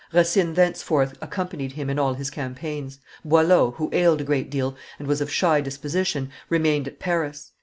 Racine thenceforth accompanied him in all his campaigns; Boileau, who ailed a great deal, and was of shy disposition, remained at Paris.